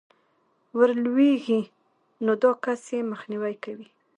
ورلوېږي، نو دا كس ئې مخنيوى كوي